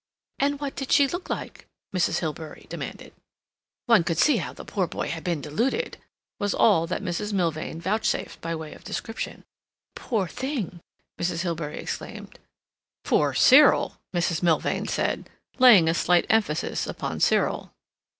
"And what did she look like?" Mrs. Hilbery demanded. "One could see how the poor boy had been deluded," was all that Mrs. Milvain vouchsafed by way of description. "Poor thing!" Mrs. Hilbery exclaimed. "Poor Cyril!" Mrs. Milvain said, laying a slight emphasis upon Cyril.